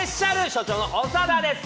所長の長田です。